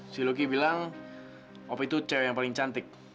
si ruki bilang opi tuh cewek yang paling cantik